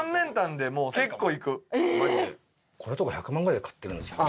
これとか１００万ぐらいで買ってるんですよ。